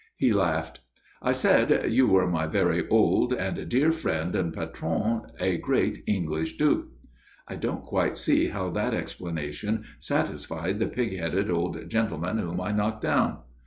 He laughed. "I said you were my very old and dear friend and patron, a great English duke." "I don't quite see how that explanation satisfied the pig headed old gentleman whom I knocked down."